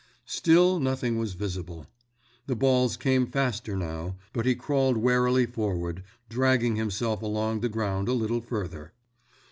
Still nothing was visible. The balls came faster now; but he crawled warily forward, dragging himself along the ground a little further.